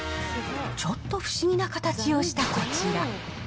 ちょっと不思議な形をしたこちら。